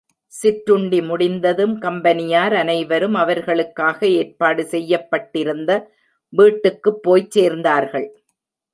சிற்றுண்டி முடிந்ததும் கம்பெனியார் அனைவரும் அவர்களுக்காக ஏற்பாடு செய்யப்பட்டிருந்த வீட்டுக்குப் போய்ச் சேர்ந்தார்கள்.